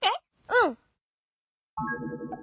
うん！